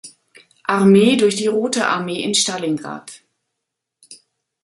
Armee durch die Rote Armee in Stalingrad.